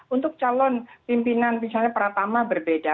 untuk calon pimpinan misalnya pratama berbeda